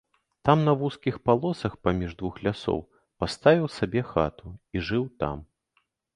Там на вузкіх палосах паміж двух лясоў паставіў сабе хату і жыў там.